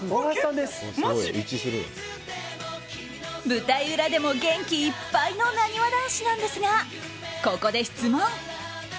舞台裏でも元気いっぱいのなにわ男子なんですがここで質問。